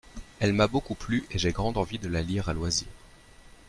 Elle m'a beaucoup plu et j'ai grande envie de la lire à loisir.